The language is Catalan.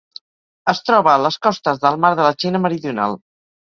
Es troba a les costes del Mar de la Xina Meridional.